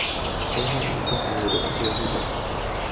遠目に若く見えれば充分じゃないか。